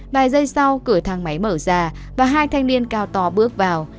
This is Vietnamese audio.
vài giây sau cửa thang máy mở ra và hai thanh niên cao to bước vào